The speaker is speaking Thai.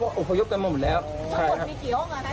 เพราะโอโหยกกันมาหมดแล้วใช่ครับทั้งหมดมีกี่ห้องแล้วนะ